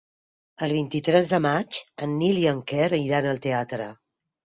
El vint-i-tres de maig en Nil i en Quer iran al teatre.